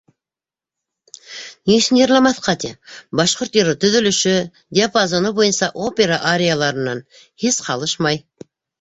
Ни өсөн йырламаҫҡа ти, башҡорт йыры төҙөлөшө, диапазоны буйынса опера арияларынан һис ҡалышмай.